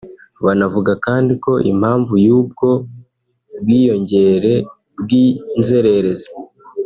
Banavuga kandi ko impamvu y’ubwo bwiyongere bw’inzererezi